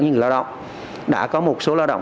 những người lao động đã có một số lao động